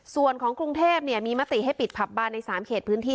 ส่วนของกรุงเทพมีมติให้ปิดผับบานใน๓เขตพื้นที่